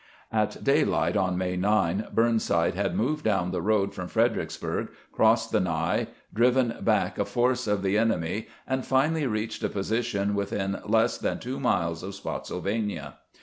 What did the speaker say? At daylight on May 9 Burnside had moved down the road from Fredericksburg, crossed the Ny, driven back a force of the enemy, and finally reached a position within less than two miles of Spottsylvania.